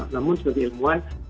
namun sebagai ilmuwan